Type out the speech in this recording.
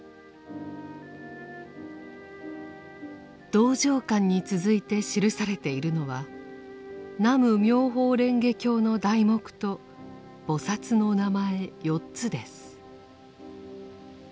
道場観に続いて記されているのは「南無妙法蓮華経」の題目と菩薩の名前４つです。